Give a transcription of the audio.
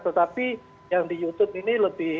tetapi yang di youtube ini lebih